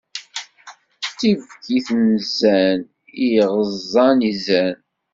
D tibkit n zzan, i yeɣeẓẓen izan.